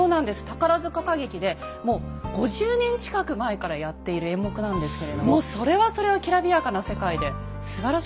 宝塚歌劇でもう５０年近く前からやっている演目なんですけれどももうそれはそれはきらびやかな世界ですばらしかった。